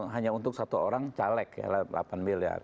hanya untuk satu orang caleg ya delapan miliar